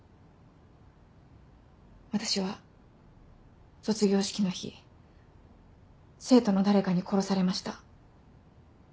私は卒業式の日生徒の誰かに殺されました。